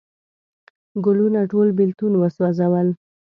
ګلونه ټول بیلتون وسوزل